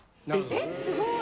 えっすごい！